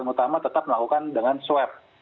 utama tetap melakukan dengan swab